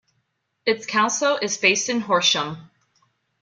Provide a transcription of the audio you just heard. Its council is based in Horsham.